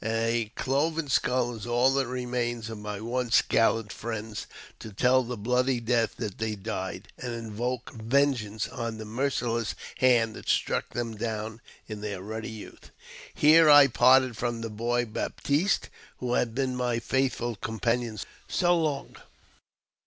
A cloven skull is all that remains of my once gallant friends to tell the bloody death that they died, and invoke vengeance on the merciless hand that struck them down in their ruddy youth. Here I parted from the boy Baptiste, who had been my faithful companion so long.